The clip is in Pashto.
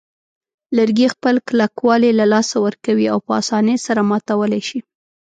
لرګي خپل کلکوالی له لاسه ورکوي او په آسانۍ سره ماتولای شي.